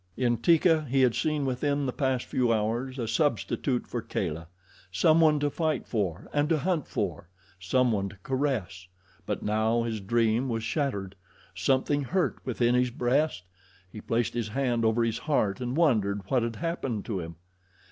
In Teeka he had seen within the past few hours a substitute for Kala someone to fight for and to hunt for someone to caress; but now his dream was shattered. Something hurt within his breast. He placed his hand over his heart and wondered what had happened to him.